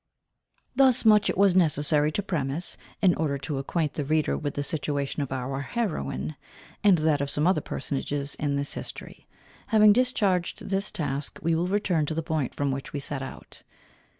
_ Thus much it was necessary to premise, in order to acquaint the reader with the situation of our heroine, and that of some other personages in this history. Having discharged this task, we will return to the point from which we set out.